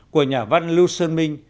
của nhà văn lưu sơn minh